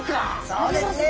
そうですね。